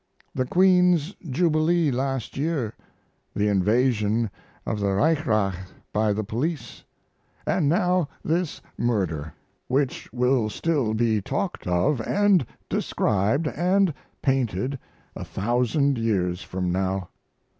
The Queen's Jubilee last year, the invasion of the Reichsrath by the police, & now this murder, which will still be talked of & described & painted a thousand years from now.